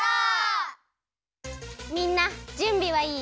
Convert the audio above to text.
みんなじゅんびはいい？